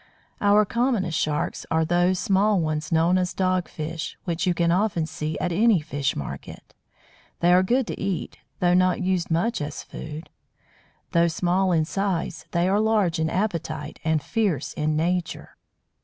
Our commonest Sharks are those small ones known as Dog fish, which you can often see at any fish market. They are good to eat, though not used much as food. Though small in size, they are large in appetite and fierce in nature.